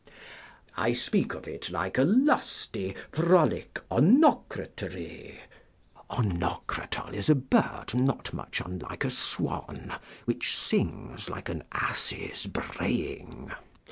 I speak of it like a lusty frolic onocrotary (Onocratal is a bird not much unlike a swan, which sings like an ass's braying.)